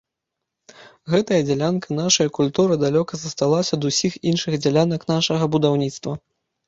Гэтая дзялянка нашае культуры далёка засталася ад усіх іншых дзялянак нашага будаўніцтва.